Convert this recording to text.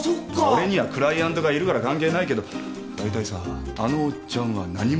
俺にはクライアントがいるから関係ないけど。大体さあのおっちゃんは何者？